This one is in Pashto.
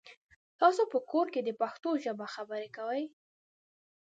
تاسو په کور کې پښتو ژبه خبري کوی؟